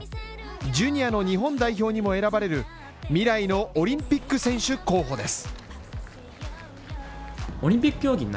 ジュニアの日本代表にも選ばれる、未来のオリンピック選手候補です。